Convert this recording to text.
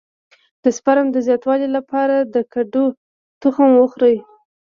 د سپرم د زیاتوالي لپاره د کدو تخم وخورئ